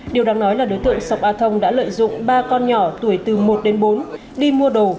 điều đáng nói là đối tượng sông a thông đã lợi dụng ba con nhỏ tuổi từ một đến bốn đi mua đồ